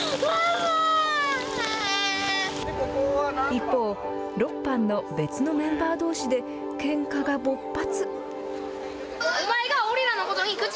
一方、６班の別のメンバーどうしでけんかが勃発。